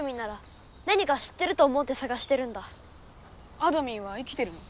あどミンは生きてるの？